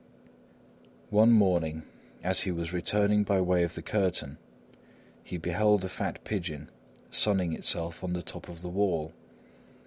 One morning, as he was returning by way of the curtain, he beheld a fat pigeon sunning itself on the top of the wall.